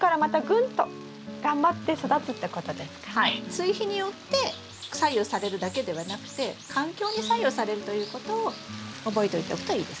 追肥によって左右されるだけではなくて環境に左右されるということを覚えておいておくといいですね。